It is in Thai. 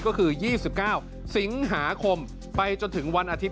ก็คือ๒๙สิงหาคมไปจนถึงวันอาทิตย